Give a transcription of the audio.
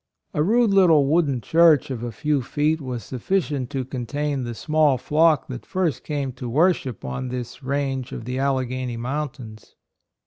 A rude little wooden church of a few feet" was sufficient to contain the small flock that first came to worship on this range of the Alleghany mountains.